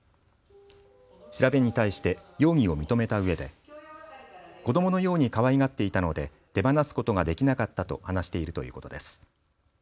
調べに対して容疑を認めたうえで子どものようにかわいがっていたので手放すことができなかったと話しているということです。